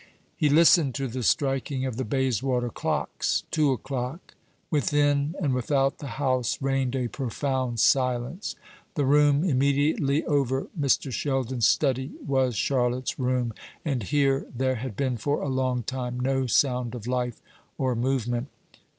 He listened to the striking of the Bayswater clocks. Two o'clock. Within and without the house reigned a profound silence. The room immediately over Mr. Sheldon's study was Charlotte's room, and here there had been for a long time no sound of life or movement.